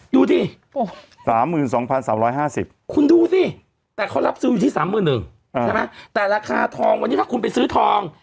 ดูสิ๓๒๓๕๐คุณดูสิแต่เขารับซื้ออยู่ที่๓๑๐๐ใช่ไหมแต่ราคาทองวันนี้ถ้าคุณไปซื้อทอง